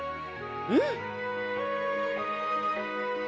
うん。